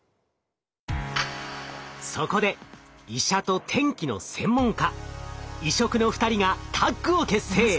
そこで医者と天気の専門家異色の２人がタッグを結成！